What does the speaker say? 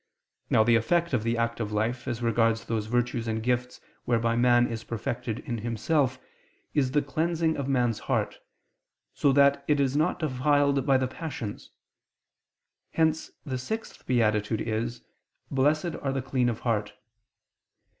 Now the effect of the active life, as regards those virtues and gifts whereby man is perfected in himself, is the cleansing of man's heart, so that it is not defiled by the passions: hence the sixth beatitude is: "Blessed are the clean of heart."